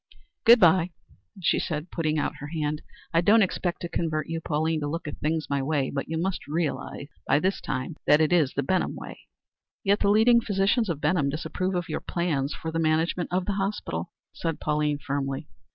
Good by," she said, putting out her hand. "I don't expect to convert you, Pauline, to look at things my way, but you must realize by this time that it is the Benham way." "Yet the leading physicians of Benham disapprove of your plans for the management of the hospital," said Pauline firmly.